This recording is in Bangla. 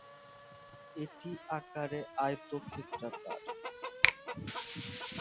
এটি আকারে আয়তক্ষেত্রাকার।